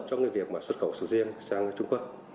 trong việc xuất khẩu sầu riêng sang trung quốc